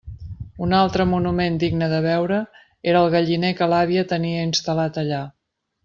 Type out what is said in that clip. Un altre monument digne de veure era el galliner que l'àvia tenia instal·lat allà.